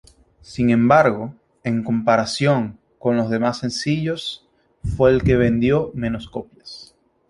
Sin embargo, en comparación con los demás sencillos fue el que vendió menos copias.